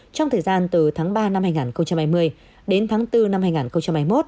trong thời gian từ tháng ba năm hai nghìn hai mươi đến tháng bốn năm hai nghìn hai mươi một